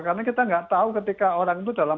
karena kita gak tahu ketika orang itu dalam